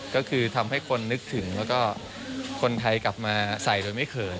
ก็คือทำให้คนนึกถึงแล้วก็คนไทยกลับมาใส่โดยไม่เขิน